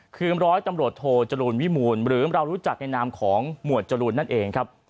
คือร้อยตำรวจโทจรูลวิมูลหรือเรารู้จักในนามของหมวดจรูนนั่นเองครับ